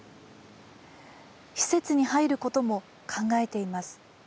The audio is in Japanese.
施設に入ることも考えています